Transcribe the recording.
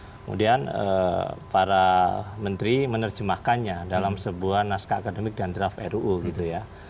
kemudian para menteri menerjemahkannya dalam sebuah naskah akademik dan draft ruu gitu ya